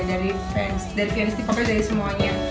dari fans dari pianisti tapi dari semuanya